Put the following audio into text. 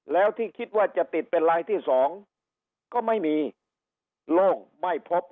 แล้วถึงคิดว่าจะติดเป็นรายที่สองก็ไม่มีโลกมายพบ